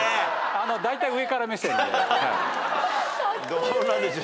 どうなんでしょ。